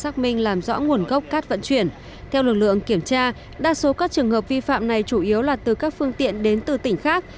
trong lực lượng kiểm tra đa số các trường hợp vi phạm này chủ yếu là từ các phương tiện đến từ tỉnh khác